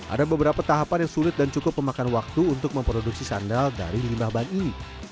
ada beberapa tahapan yang sulit dan cukup memakan waktu untuk memproduksi sandal dari limbah ban ini